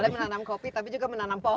tidak menanam kopi tapi juga menanam pohon